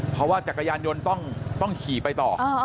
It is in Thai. เพราะว่าจักรยานยนต์ต้องขี่ไปต่อ